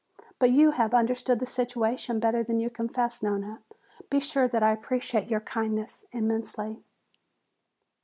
But you have understood the situation better than you confess, Nona. Be sure that I appreciate your kindness immensely."